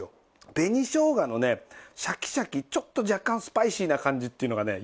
紅生姜のねシャキシャキちょっと若干スパイシーな感じっていうのがねよく合います。